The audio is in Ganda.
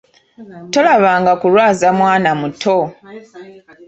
Tolabanga kulwaza mwana muto!